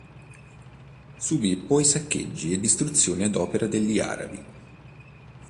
Subì poi saccheggi e distruzioni ad opera degli Arabi.